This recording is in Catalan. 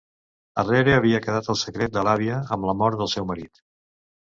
Arrere havia quedat el secret de l’àvia, amb la mort del seu marit.